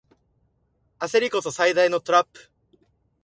焦りこそ最大のトラップ